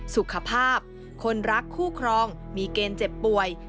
สุขภาพคนรักคู่ครองมีเกณฑ์เจ็บป่วย